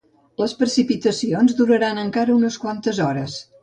Les precipitacions duraran encara unes quantes hores.